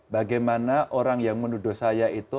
bagaimana orang yang menuduh saya itu